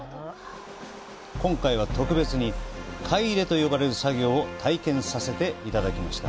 今回、特別に櫂入れと呼ばれる作業を体験させていただきました。